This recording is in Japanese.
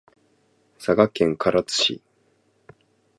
佐賀県唐津市